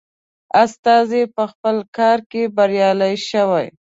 استازی په خپل کار کې بریالی شوی.